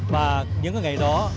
và những ngày đó